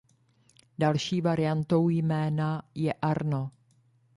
Další variantou jména je Arno.